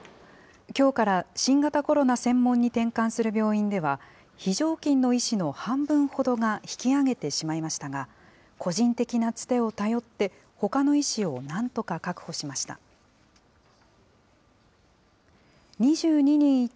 きょうから新型コロナ専門に転換する病院では、非常勤の医師の半分ほどが引き上げてしまいましたが、個人的なつてを頼って、ほかの医師をなんとか確保しました。